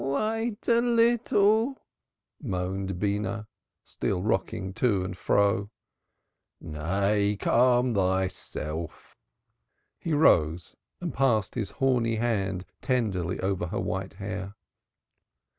"Wait a little!" moaned Beenah, still rocking to and fro. "Nay, calm thyself." He rose and passed his horny hand tenderly over her white hair.